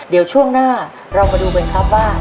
เดี๋ยวช่วงหน้าเรามาดูกันครับว่า